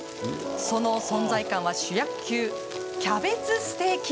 その存在感は主役級キャベツステーキ。